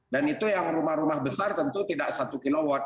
itu yang rumah rumah besar tentu tidak satu kilowatt